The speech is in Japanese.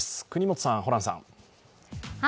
國本さん、ホランさん。